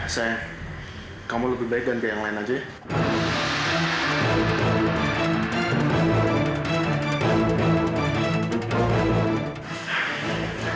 sayang kamu lebih baik ganti yang lain aja ya